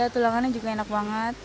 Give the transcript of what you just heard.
tulangannya juga enak banget